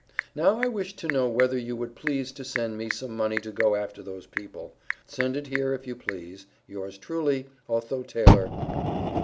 Now I wish to know whether you would please to send me some money to go after those people. Send it here if you please. Yours truly, OTHO TAYLOR.